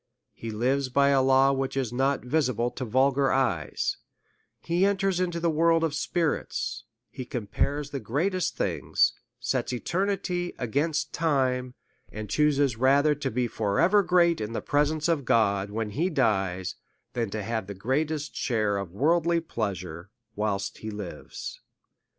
He lives by a law which is not visible to vulgar eyes ; he enters into the world of spi rits ; he compares the greatest things, sets eternity against time; and chuses rather to be for ever great in the presence of God, when he dies, than to have the greatest share of worldly pleasures whilst he lives.